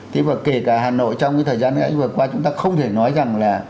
thế mà kể cả hà nội trong cái thời gian vừa qua chúng ta không thể nói rằng là